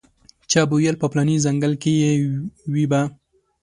چا به ویل په پلاني ځنګل کې وي به.